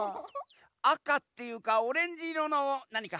あかっていうかオレンジいろのなにかはいってない？